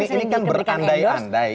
ini kan berandai andai